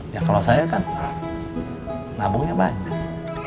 ya kalau saya kan nabungnya banyak